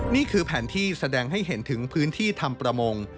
นี่คือแผนที่แสดงให้เห็นถึงพื้นที่ทำประมง